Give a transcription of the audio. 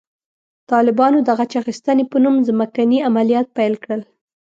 طالبانو د غچ اخیستنې په نوم ځمکني عملیات پیل کړل.